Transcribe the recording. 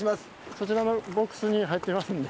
そちらのボックスに入ってますんで。